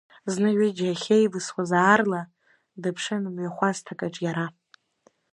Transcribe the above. Зны ҩыџьа ахьеивысуаз аарла, дыԥшын мҩахәасҭакаҿ иара.